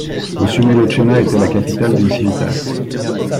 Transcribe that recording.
Au Sumelocenna était la capitale d'une civitas.